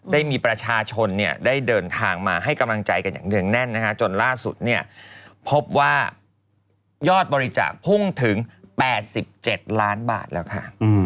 ได้มีประชาชนได้เดินทางมาให้กำลังใจกันอย่างเนื่องแน่นนะคะจนล่าสุดเนี่ยพบว่ายอดบริจาคพุ่งถึง๘๗ล้านบาทแล้วค่ะ